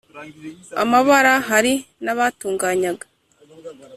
amabara Hari n abatunganyaga